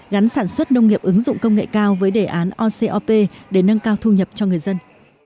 gắn sản xuất nông nghiệp ứng dụng công nghệ cao với đề án ocop để nâng cao thu nhập cho người dân